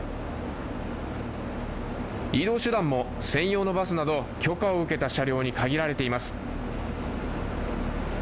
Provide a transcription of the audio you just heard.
移動手段も専用のバスなど許可を受けた車両に限られています。